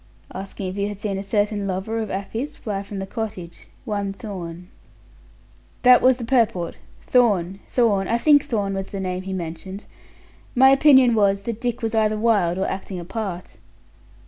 "Asking if you had seen a certain lover of Afy's fly from the cottage. One Thorn." "That was the purport. Thorn, Thorn I think Thorn was the name he mentioned. My opinion was, that Dick was either wild or acting a part."